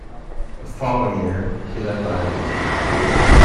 The following year, he left Ireland.